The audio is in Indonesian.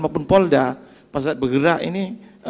maupun polda pas bergerak ini